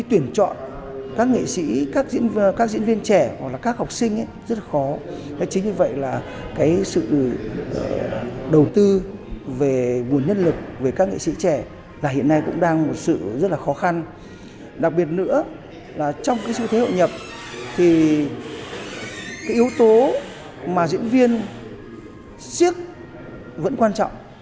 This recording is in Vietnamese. trong cái xu thế hội nhập thì cái yếu tố mà diễn viên siếc vẫn quan trọng